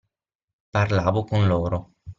Parlavo con loro